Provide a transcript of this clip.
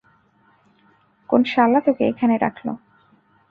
কোন শালা তোকে এখানে রাখলো?